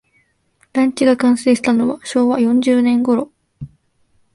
団地が完成したのは昭和四十年ごろ